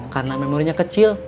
karena memorinya kecil